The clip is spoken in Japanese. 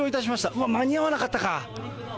うわっ、間に合わなかったか。